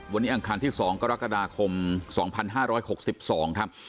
วันอังคารที่สองกรกฎาคม๒๐๒๕๖๔ครับ